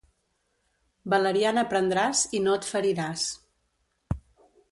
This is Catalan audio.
Valeriana prendràs i no et feriràs.